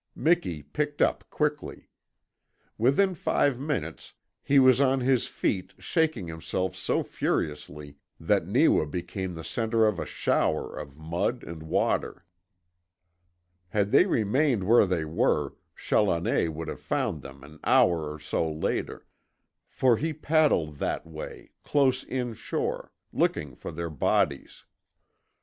Miki picked up quickly. Within five minutes he was on his feet shaking himself so furiously that Neewa became the centre of a shower of mud and water. Had they remained where they were, Challoner would have found them an hour or so later, for he paddled that way, close inshore, looking for their bodies.